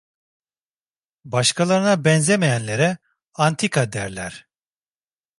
Başkalarına benzemeyenlere antika derler.